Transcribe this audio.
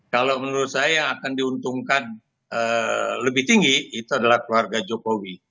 kalau menurut saya yang akan diuntungkan lebih tinggi itu adalah keluarga jokowi